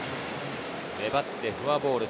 粘ってフォアボール。